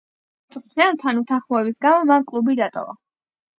მწვრთნელთან უთანხმოების გამო მან კლუბი დატოვა.